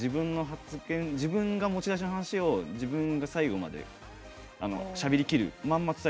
自分が持ち出しのしゃべりを自分が最後まで、しゃべりきる